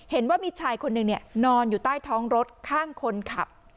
เห็นว่ามีชายคนหนึ่งนอนอยู่ใต้ท้องรถข้างคนขับ